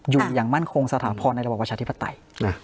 อยู่อย่างมั่นคงสถาบอสในระบบวัชฌธิบัติ